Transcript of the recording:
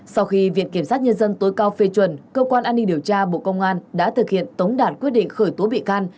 sau khi viện kiểm sát nhân dân tối cao phê chuẩn cơ quan an ninh điều tra bộ công an đã thực hiện tống đạt quyết định khởi tố bị can